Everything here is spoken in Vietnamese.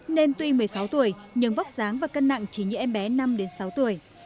nên tuy một mươi sáu tuổi nhưng vóc dáng và cân nặng chỉ như em bé năm sáu tuổi